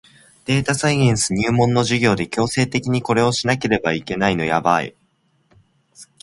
データサイエンス入門の授業で強制的にこれをしなければいけないのやばい